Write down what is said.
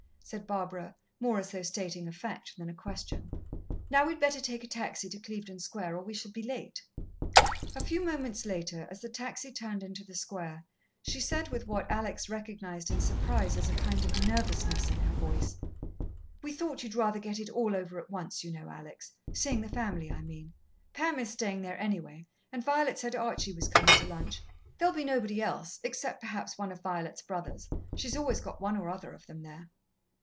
said Barbara, more as though stating a fact than asking a question. "Now we'd better take a taxi to Clevedon Square, or we shall be late." A few minutes later, as the taxi turned into the square, she said, with what Alex recognized in surprise as a kind of nervousness in her voice: "We thought you'd rather get it all over at once, you know, Alex. Seeing the family, I mean. Pam is staying there anyway, and Violet said Archie was coming to lunch. There'll be nobody else, except, perhaps, one of Violet's brothers. She's always got one or other of them there."